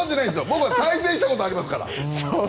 僕は対戦したことありますから。